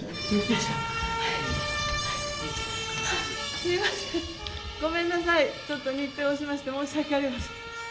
すみません、ごめんなさい、ちょっと日程押しまして、申し訳ありません。